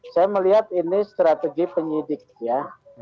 saya melihat ini strategi penyidik ya